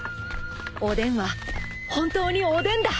［おでんは本当におでんだ！］